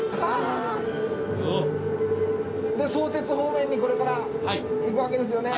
で相鉄方面にこれから行くわけですよね？